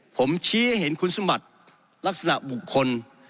ผมชี้ให้เห็นคุณสมบัติลักษณะบุคคล